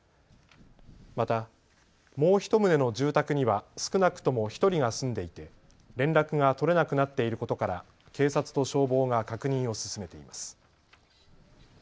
またもう１棟の住宅には少なくとも１人が住んでいて連絡が取れなくなっていることから警察と消防が確認を進めています。